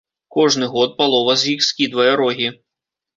Кожны год палова з іх скідвае рогі.